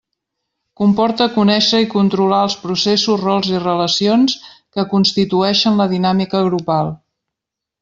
Comporta conéixer i controlar els processos, rols i relacions que constitueixen la dinàmica grupal.